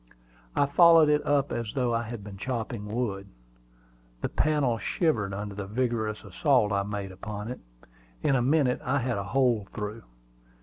I followed it up as though I had been chopping wood. The panel shivered under the vigorous assault I made upon it. In a minute, I had a hole through.